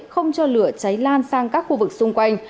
không cho lửa cháy lan sang các khu vực xung quanh